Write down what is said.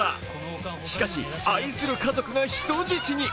しかし、愛する家族が人質に。